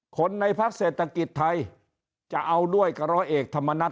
คนในพักเศรษฐกิจไทยจะเอาด้วยกับร้อยเอกธรรมนัฐ